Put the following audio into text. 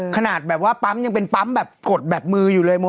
ขนาดแบบว่าปั๊มยังเป็นปั๊มแบบกดแบบมืออยู่เลย